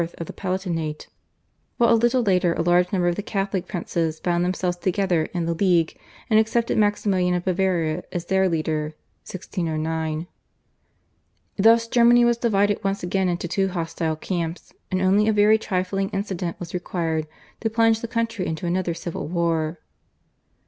of the Palatinate, while a little later a large number of the Catholic princes bound themselves together in the /League/ and accepted Maximilian of Bavaria as their leader (1609). Thus Germany was divided once again into two hostile camps, and only a very trifling incident was required to plunge the country into another civil war.